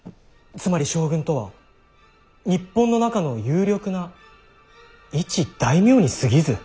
「つまり将軍とは日本の中の有力な一大名にすぎず」。